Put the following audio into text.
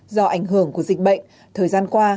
do ảnh hưởng của dịch bệnh thời gian qua